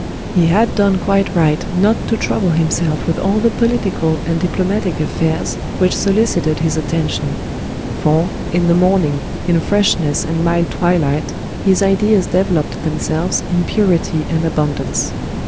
He had done quite right not to trouble himself with all the political and diplomatic affairs which solicited his attention; for, in the morning, in freshness and mild twilight, his ideas developed themselves in purity and abundance.